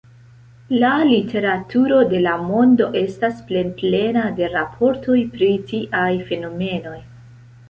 La literaturo de la mondo estas plenplena de raportoj pri tiaj fenomenoj.